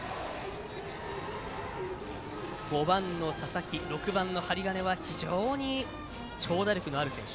５番の佐々木６番の針金は非常に長打力のある選手。